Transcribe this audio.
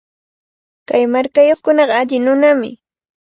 Kay markayuqkunaqa alli nunami.